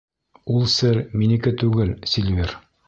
Ул сер минеке түгел, Сильвер.